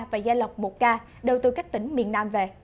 và gia lộc một ca đều từ các tỉnh miền nam về